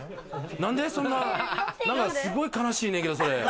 なんでそんな、すごい悲しいねんけど、それ。